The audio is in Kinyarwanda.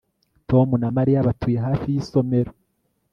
Tom na Mariya batuye hafi yisomero